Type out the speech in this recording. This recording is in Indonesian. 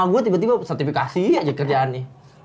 ma gue tiba tiba sertifikasi aja kerjaannya